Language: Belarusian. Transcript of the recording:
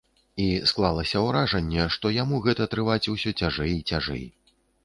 І, склалася ўражанне, што яму гэта трываць усё цяжэй і цяжэй.